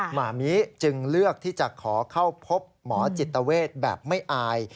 หม่ามีเหลือกที่จะขอเข้าพบหมอจิตแพทย์ด้ากราศาสตร์ไม่อาย